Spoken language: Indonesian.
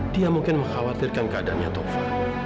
dia mungkin mengkhawatirkan keadaannya tova